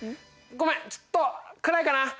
ごめんちょっと暗いかな。